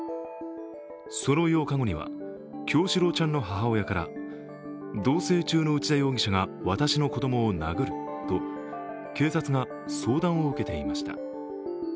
その８日後には、叶志郎ちゃんの母親から同棲中の内田容疑者が私の子供を殴ると警察が相談を受けていました。